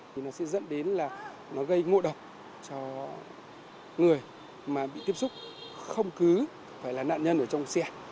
thì nó sẽ dẫn đến là nó gây ngộ độc cho người mà bị tiếp xúc không cứ phải là nạn nhân ở trong xe